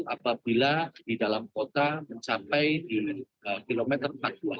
apabila di dalam kota mencapai di kilometer empat puluh dua